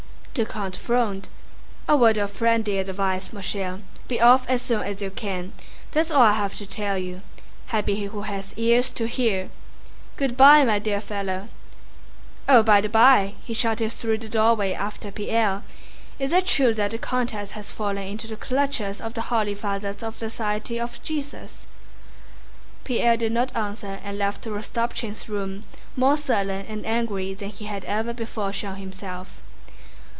The count frowned. "A word of friendly advice, mon cher. Be off as soon as you can, that's all I have to tell you. Happy he who has ears to hear. Good by, my dear fellow. Oh, by the by!" he shouted through the doorway after Pierre, "is it true that the countess has fallen into the clutches of the holy fathers of the Society of Jesus?" Pierre did not answer and left Rostopchín's room more sullen and angry than he had ever before shown himself.